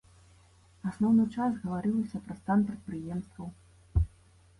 Асноўны час гаварылася пра стан прадпрыемстваў.